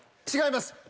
違います。